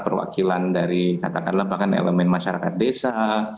perwakilan dari katakanlah bahkan elemen masyarakat desa